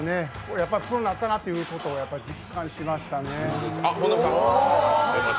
やっぱりプロになったなっていうことを実感しましたよね。